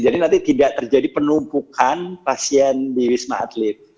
jadi nanti tidak terjadi penumpukan pasien di wisma atlet